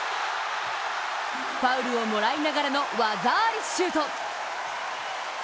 ファウルをもらいながらの技ありシュート。